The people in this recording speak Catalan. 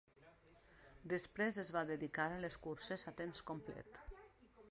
Després es va dedicar a les curses a temps complet.